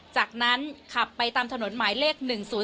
จากนั้นขับไปตามถนนหมายเลข๑๐๔